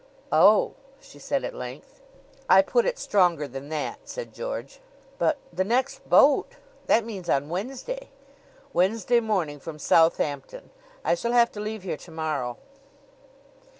"Oh!" she said at length. "I put it stronger than that," said George. "But the next boat That means on Wednesday." "Wednesday morning, from Southampton. I shall have to leave here to morrow."